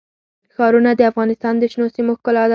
ښارونه د افغانستان د شنو سیمو ښکلا ده.